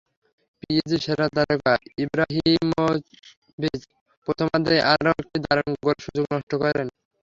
পিএসজির সেরা তারকা ইব্রাহিমোভিচ প্রথমার্ধেই আরও একটি দারুণ গোলের সুযোগ নষ্ট করেন।